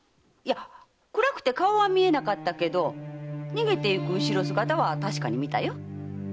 いや暗くて顔は見えなかったけど逃げていく後ろ姿は確かに見たよ。